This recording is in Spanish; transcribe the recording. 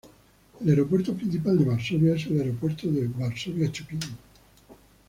El aeropuerto principal de Varsovia es el Aeropuerto de Varsovia-Chopin.